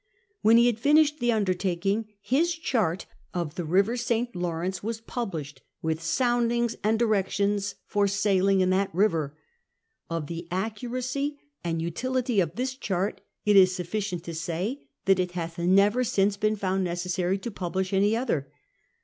When he had flnished the undertaking, his chart of the river SL Lawrence was published, with soundings and directions for sjiiling in that river. Of the accurjicy and utility »>f this chart it is sufficicut to say that it hath never since been found necessary to publish any other.